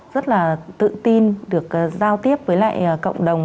rất là tự tin được giao tiếp với lại cộng đồng